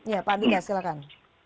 ya pak andika silakan